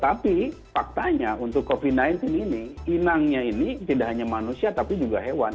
tapi faktanya untuk covid sembilan belas ini inangnya ini tidak hanya manusia tapi juga hewan